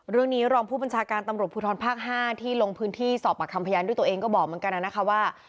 รองผู้บัญชาการตำรวจภูทรภาค๕ที่ลงพื้นที่สอบปากคำพยานด้วยตัวเองก็บอกเหมือนกันนะคะว่า